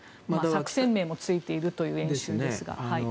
作戦名もついているという演習ですが。